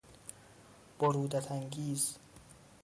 برودت انگیز